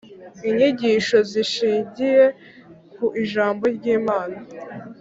Inyigisho zishingiye ku Ijambo ry’Imana